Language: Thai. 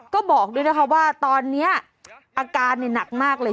ก็บอกด้วยนะคะว่าตอนนี้อาการหนักมากเลย